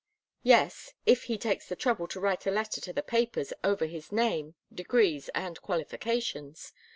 "Yes if he takes the trouble to write a letter to the papers, over his name, degrees and qualifications.